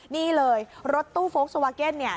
นี่เลยรถตู้โฟลกสวาเก็นเนี่ย